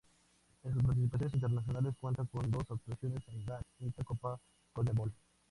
En sus participaciones internacionales cuenta con dos actuaciones en la extinta Copa Conmebol.